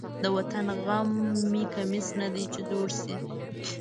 د وطن غم مې کمیس نه دی چې زوړ شي.